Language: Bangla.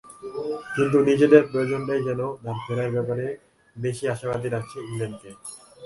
কিন্তু নিজেদের প্রয়োজনটাই যেন তাঁর ফেরার ব্যাপারে বেশি আশাবাদী রাখছে ইংল্যান্ডকে।